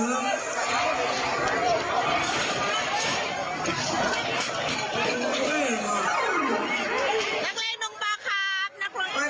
นักเล่นดูกปลากราบ